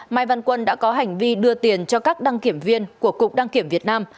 mai văn quân đã có hành vi đưa tiền cho các đăng kiểm viên của cục đăng kiểm việt nam